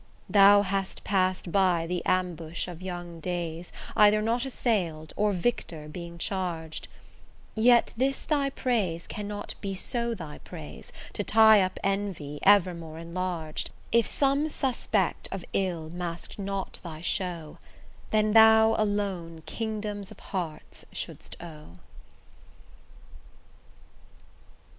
Thou hast passed by the ambush of young days Either not assail'd, or victor being charg'd; Yet this thy praise cannot be so thy praise, To tie up envy, evermore enlarg'd, If some suspect of ill mask'd not thy show, Then thou alone kingdoms of hearts shouldst owe.